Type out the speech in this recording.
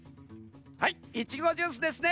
はいいちごジュースですね。